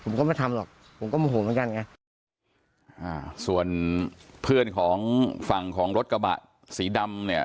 ผมก็ไม่ทำหรอกผมก็โมโหเหมือนกันไงอ่าส่วนเพื่อนของฝั่งของรถกระบะสีดำเนี่ย